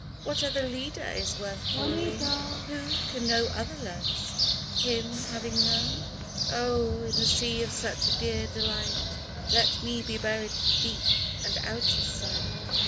What other leader is worth following ? Who can know other loves, him having known ? Oh ! in the sea of such a dear delight Let me be buried deep and out of sight